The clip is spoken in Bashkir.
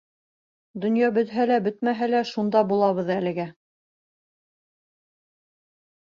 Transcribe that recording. Донъя бөтһә лә, бөтмәһә лә шунда булабыҙ әлегә.